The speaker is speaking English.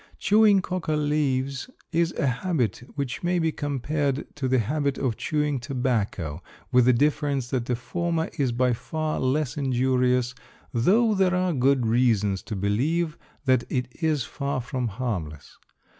Chewing coca leaves is a habit which may be compared to the habit of chewing tobacco with the difference that the former is by far less injurious though there are good reasons to believe that it is far from harmless.